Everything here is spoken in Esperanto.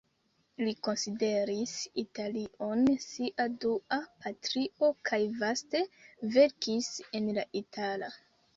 Li konsideris Italion sia dua patrio kaj vaste verkis en la itala.